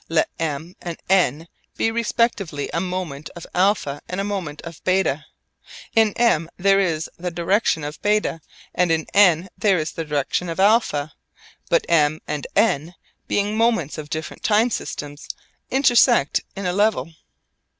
Let M and N be respectively a moment of α and a moment of β. In M there is the direction of β and in N there is the direction of α. But M and N, being moments of different time systems, intersect in a level.